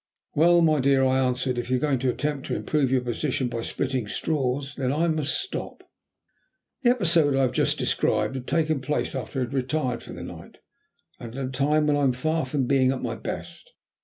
"Well, my dear," I answered, "if you are going to attempt to improve your position by splitting straws, then I must stop." The episode I have just described had taken place after we had retired for the night, and at a time when I am far from being at my best.